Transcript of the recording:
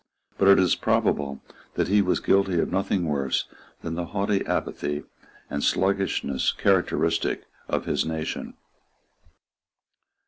But it is probable that he was guilty of nothing worse than the haughty apathy and sluggishness characteristic of his nation.